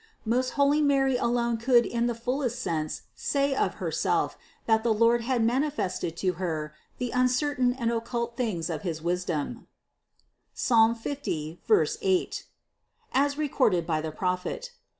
Most holy Mary alone could in the fullest sense say of Herself that the THE CONCEPTION 493 Lord had manifested to Her the uncertain and occult things of his wisdom (Psalm 50, 8) as recorded by the Prophet.